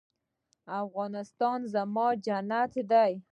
افغانستان زما جنت دی